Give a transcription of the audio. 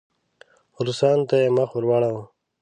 روسانو ته یې مخ واړاوه.